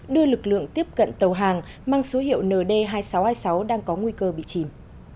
đưa lực lượng tiếp cận tàu hàng mang số hiệu nd hai nghìn sáu trăm hai mươi sáu đang có nguy cơ bị chìm